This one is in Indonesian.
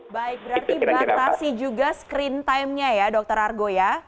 baik berarti batasi juga screen time nya ya dokter argo ya